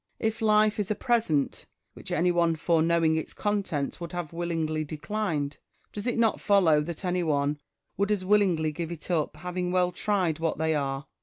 If life is a present which any one foreknowing its con tents would have willingly declined, does it not follow that any one would as willingly give it up, having well tried what they are